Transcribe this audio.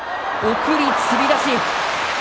送りつり出し。